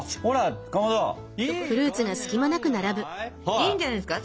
いいんじゃないですか。